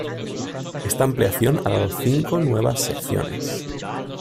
Esta ampliación ha dado cinco nuevas secciones.